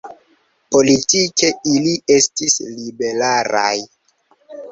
Politike, ili estis liberalaj.